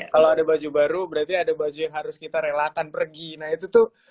kalau ada baju baru berarti ada baju yang harus kita relakan pergi nah itu tuh